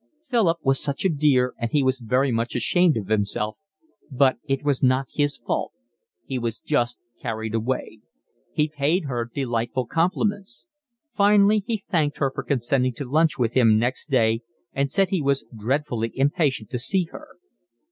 Philip was such a dear, and he was very much ashamed of himself, but it was not his fault, he was just carried away. He paid her delightful compliments. Finally he thanked her for consenting to lunch with him next day and said he was dreadfully impatient to see her.